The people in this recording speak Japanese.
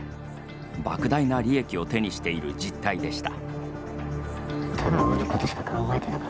ばく大な利益を手にしている実態でした。